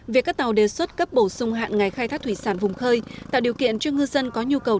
việc các tàu đề xuất cấp bổ sung hạn ngày khai thác thủy sản vùng khơi tạo điều kiện cho ngư dân có nhu cầu